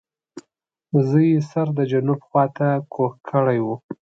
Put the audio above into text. زه یې سر د جنوب خواته کوږ کړی وو.